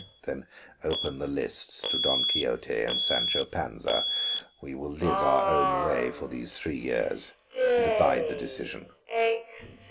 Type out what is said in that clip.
"Then open the lists to Don Quixote and Sancho Panza. We will live our own way for these three years, and abide the decision."